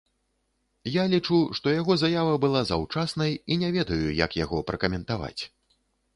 Я лічу, што яго заява была заўчаснай і не ведаю, як яго пракаментаваць.